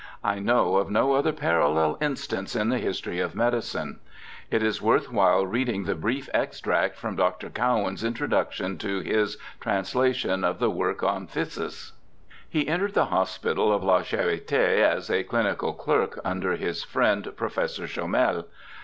I know of no other parallel instance in the history of medicine. It is worth 192 BIOGRAPHICAL ESSAYS while reading the brief extract from Dr. Cowan's intro duction to his translation of the work on Phthisis. ' He entered the hospital of La Charite as a clinical clerk, under his friend, Professor Chomel.